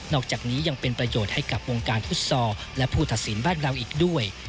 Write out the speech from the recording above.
อกจากนี้ยังเป็นประโยชน์ให้กับวงการฟุตซอลและผู้ตัดสินบ้านเราอีกด้วย